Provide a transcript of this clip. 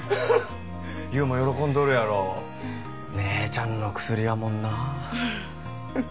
優も喜んどるやろ姉ちゃんの薬やもんな